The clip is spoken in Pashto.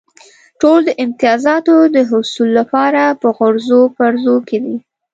ټول د امتیازاتو د حصول لپاره په غورځو پرځو کې دي.